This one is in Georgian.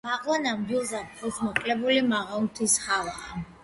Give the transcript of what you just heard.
მაღლა ნამდვილ ზაფხულს მოკლებული მაღალმთის ჰავაა.